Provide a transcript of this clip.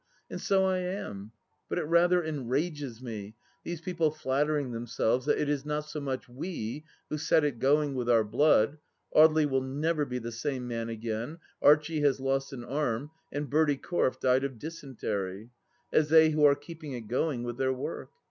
And so I am, but it rather enrages me, these people flattering themselves that it is not so much We, who set it going with our blood — 'Audely will never be the same man again, Archie has lost an arm, and Bertie Corfe died of dysentery — as they who are keeping it going with their work.